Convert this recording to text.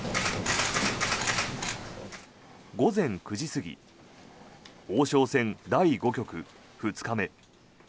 午前９時過ぎ王将戦第５局２日目。